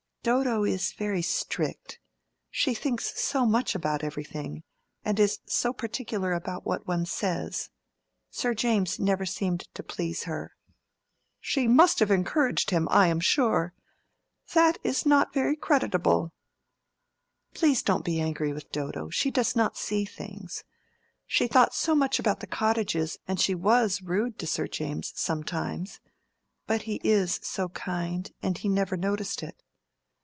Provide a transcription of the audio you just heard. "Dodo is very strict. She thinks so much about everything, and is so particular about what one says. Sir James never seemed to please her." "She must have encouraged him, I am sure. That is not very creditable." "Please don't be angry with Dodo; she does not see things. She thought so much about the cottages, and she was rude to Sir James sometimes; but he is so kind, he never noticed it."